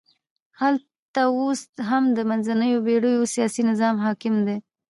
هلته اوس هم د منځنیو پېړیو سیاسي نظام حاکم دی.